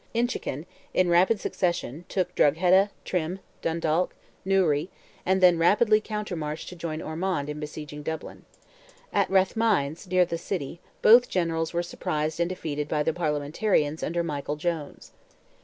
Inchiquin, in rapid succession, took Drogheda, Trim, Dundalk, Newry, and then rapidly countermarched to join Ormond in besieging Dublin. At Rathmines, near the city, both generals were surprised and defeated by the Parliamentarians under Michael Jones.